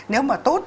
nếu mà tốt